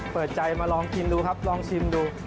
เปิดใจมาลองกินดูครับลองชิมดู